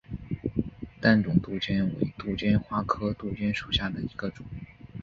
淡钟杜鹃为杜鹃花科杜鹃属下的一个种。